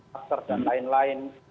kapser dan lain lain